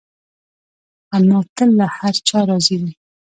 انا تل له هر چا راضي وي